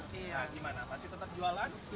nah gimana pasti tetap jualan